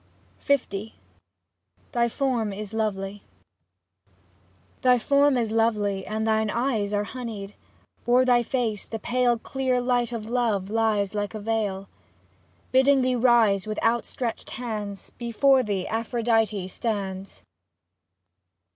53 L THY FORM IS LOVELY Thy form is lovely and thine eyes are honeyed. O'er thy face the pale Clear light of love lies like a veil. Bidding thee rise, With outstretched hands. Before thee Aphrodite stands.